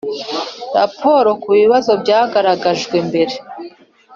raporo ku bibazo byagaragajwe mbere